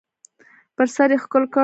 پر سر یې ښکل کړ .